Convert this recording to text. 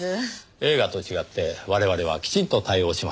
映画と違って我々はきちんと対応します。